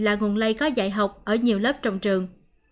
là nguồn lây có dạy học ở nhiều lớp trong trường